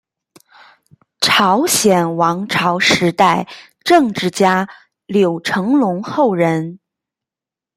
朝鲜王朝时代政治家柳成龙后人。